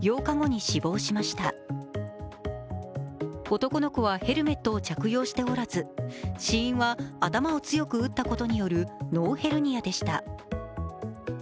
男の子はヘルメットを着用しておらず、死因は頭を強く打ったことによる脳ヘルニアでした。